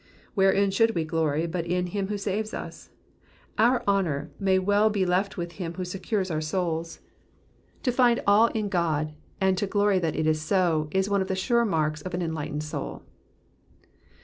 "^^ Wherein should we glory but in him who saves us ? Our honour may well be left with him who secures our souls. To find all in God, and to glory that it is so, is one of the sure marks of an en lightened soul.